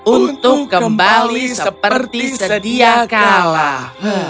untuk kembali seperti sedia kalah